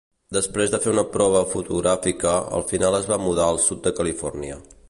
Després de fer una prova fotogràfica, al final es va mudar al sud de Califòrnia.